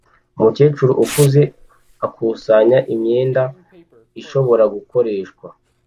Umukecuru ukuze akusanya imyanda ishobora gukoreshwa